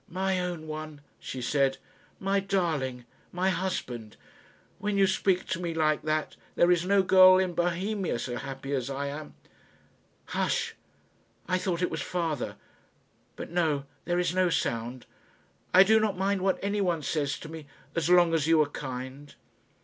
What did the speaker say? "My own one," she said, "my darling, my husband; when you speak to me like that, there is no girl in Bohemia so happy as I am. Hush! I thought it was father. But no; there is no sound. I do not mind what anyone says to me, as long as you are kind."